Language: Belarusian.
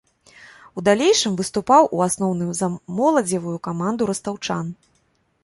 У далейшым выступаў у асноўным за моладзевую каманду растаўчан.